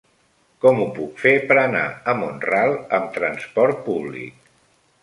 Com ho puc fer per anar a Mont-ral amb trasport públic?